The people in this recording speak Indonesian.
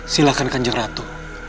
silahkan kanjeng ratu